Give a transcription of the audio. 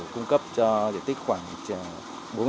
cung cấp cho diện tích khoảng